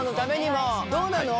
どうなの？